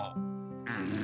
うん。